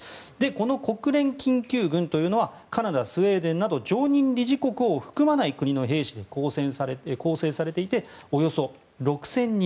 この国連緊急軍というのはカナダ、スウェーデンなど常任理事国を含まない国の兵士で構成されていておよそ６０００人。